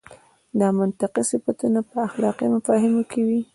دا منطقي صفتونه په اخلاقي مفاهیمو کې وي.